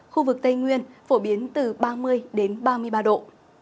khu vực tây nguyên phổ biến từ ba mươi đến ba mươi ba độ